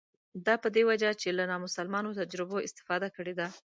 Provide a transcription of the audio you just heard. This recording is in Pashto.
دا په دې وجه چې له نامسلمانو تجربو استفاده کړې ده.